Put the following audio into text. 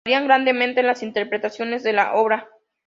Varían grandemente las interpretaciones de la obra.